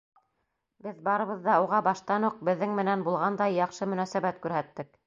Беҙ барыбыҙ ҙа уға баштан уҡ беҙҙең менән булғандай яҡшы мөнәсәбәт күрһәттек.